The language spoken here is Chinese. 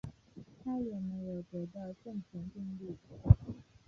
他也没有得到正弦定律。